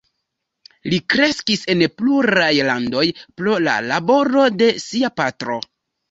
Li kreskis en pluraj landoj, pro la laboro de sia patro.